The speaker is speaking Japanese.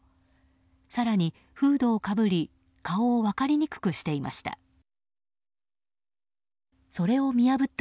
更にフードをかぶり顔を分かりにくくしていました。